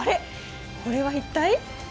これは一体？